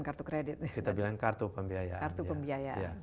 kartu kredit kita bilang kartu pembiayaan